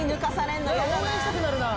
なんか応援したくなるな。